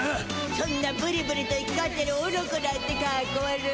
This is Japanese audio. そんなブリブリといきがってるオノコなんてかっこ悪い。